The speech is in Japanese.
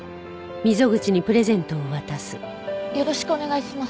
よろしくお願いします。